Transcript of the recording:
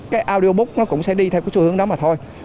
cái audiobook nó cũng sẽ đi theo cái xu hướng đó mà thôi